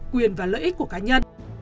quyền và lợi ích của cá nhân